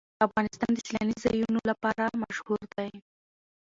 افغانستان د سیلانی ځایونه لپاره مشهور دی.